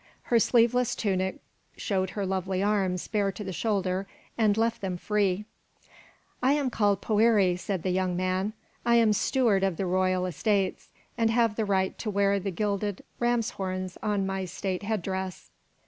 Her sleeveless tunic showed her lovely arms bare to the shoulder and left them free. "I am called Poëri," said the young man; "I am steward of the royal estates, and have the right to wear the gilded ram's horns on my state head dress."